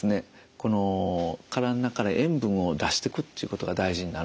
この体の中から塩分を出してくっていうことが大事になるんですね。